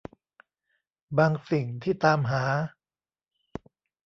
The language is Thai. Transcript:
บางสิ่งที่ตามหา